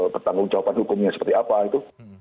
pertanggung jawaban hukumnya seperti apa itu